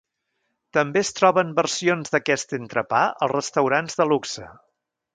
També es troben versions d'aquest entrepà als restaurants de luxe.